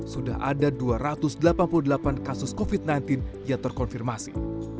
sudah ada dua ratus delapan puluh delapan kasus covid sembilan belas yang terkonfirmasi